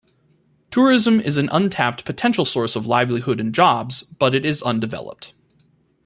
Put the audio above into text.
Tourism is an untapped potential source of livelihood and jobs but it is undeveloped.